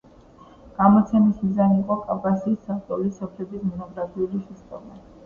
გამოცემის მიზანი იყო კავკასიის ცალკეული სოფლების მონოგრაფიული შესწავლა.